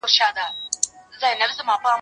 زه اوس پوښتنه کوم!.